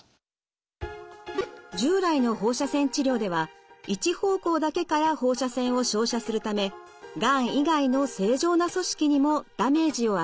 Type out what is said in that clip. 従来の放射線治療では一方向だけから放射線を照射するためがん以外の正常な組織にもダメージを与えてしまいます。